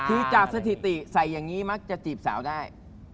ที่จับสถิติใส่อย่างนี้มักจีบสาวได้